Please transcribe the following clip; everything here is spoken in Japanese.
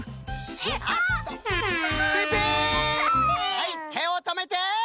はいてをとめて！